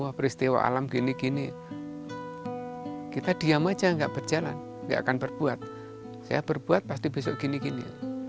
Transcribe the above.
wah peristiwa alam gini gini kita diam aja nggak berjalan nggak akan berbuat saya berbuat pasti besok gini gini